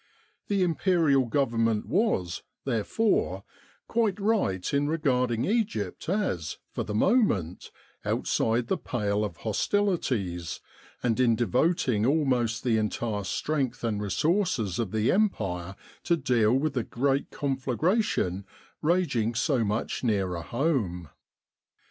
The Imperial Government was, therefore, quite right in regarding Egypt as, for the moment, outside the pale of hostilities, and in devoting almost the entire strength and resources of the Empire to deal with the great conflagration raging so much nearer home.